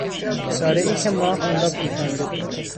ستارهای که ماه آن را پوشانده بود